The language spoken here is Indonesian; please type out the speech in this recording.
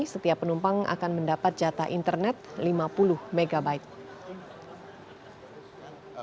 setiap penumpang akan mendapat jata internet lima puluh megabyte